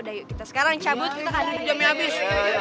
udah yuk kita sekarang cabut kita ke adunan jamnya abis